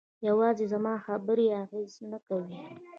یوازې زما خبرې اغېزه نه کوي.